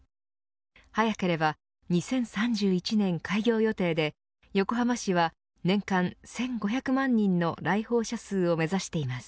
早ければ２０３１年開業予定で横浜市は年間１５００万人の来訪者数を目指しています。